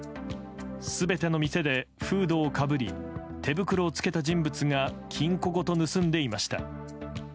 全ての店で、フードをかぶり手袋を着けた人物が金庫ごと盗んでいました。